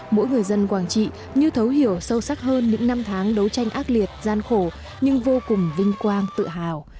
mỗi người dân quảng trị như thấu hiểu sâu sắc hơn những năm tháng đấu tranh ác liệt gian khổ nhưng vô cùng vinh quang tự hào